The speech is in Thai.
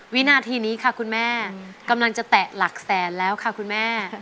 วินาทีนี้ค่ะคุณแม่กำลังจะแตะหลักแสนแล้วค่ะคุณแม่